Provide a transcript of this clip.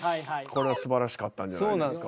これはすばらしかったんじゃないですか？